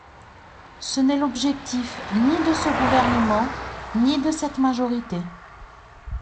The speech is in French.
Ce n’est l’objectif ni de ce gouvernement, ni de cette majorité.